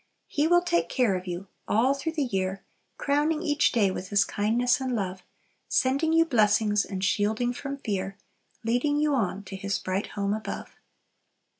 "He will take care of you! All through the year Crowning each day with His kindness and love, Sending you blessings and shielding from fear, Leading you on to His bright home above."